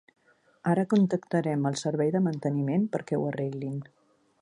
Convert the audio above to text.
Ara contactarem al servei de manteniment perquè ho arreglin.